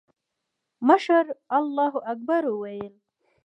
مشر الله اکبر وويل.